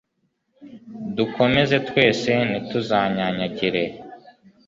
dukomeze twese ntituzanyanyagire